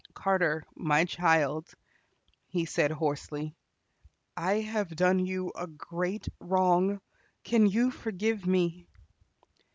"Carter, my child," he said hoarsely, "I have done you a great wrong. Can you forgive me?"